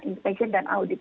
inspeksi dan audit